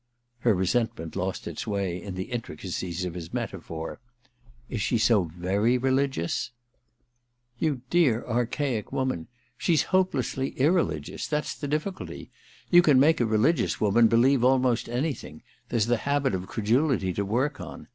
Her resentment lost its way in the intricacies of his metaphor. * Is she so very religious ?'• You dear archaic woman ! She's hopelessly irreligious ; that's the difficulty. You can make | a religious woman believe almost anything :\ there's the habit of credulity to work on.